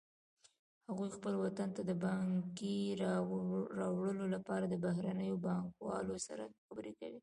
هغوی خپل وطن ته د پانګې راوړلو لپاره د بهرنیو پانګوالو سره خبرې کوي